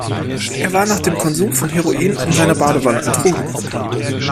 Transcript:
Er war nach dem Konsum von Heroin in seiner Badewanne ertrunken.